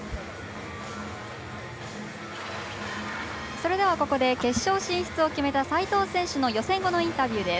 それでは、ここで決勝進出を決めた齋藤選手の予選後のインタビューです。